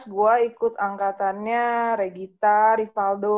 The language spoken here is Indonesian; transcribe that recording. dua ribu tiga belas gua ikut angkatannya regita riffaldo